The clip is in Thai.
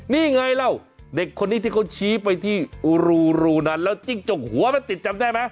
นี่ไงเล่าเด็กคนนี้ที่เขาชี้ไปที่รูนั้นแล้วจิ้งจกหัวมันติดจำได้ไหม